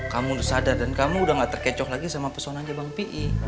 kamu udah sadar dan kamu udah gak terkecok lagi sama peson aja bang p i